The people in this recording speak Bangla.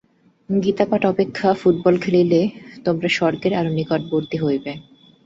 গীতাপাঠ অপেক্ষা ফুটবল খেলিলে তোমরা স্বর্গের আরও নিকটবর্তী হইবে।